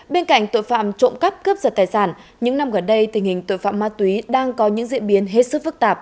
bên cạnh tội phạm trộm cắp cướp giật tài sản những năm gần đây tình hình tội phạm ma túy đang có những diễn biến hết sức phức tạp